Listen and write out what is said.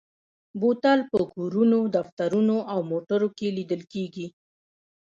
بوتل په کورونو، دفترونو او موټرو کې لیدل کېږي.